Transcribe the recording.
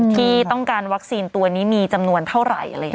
ที่ต้องการวัคซีนตัวนี้มีจำนวนเท่าไหร่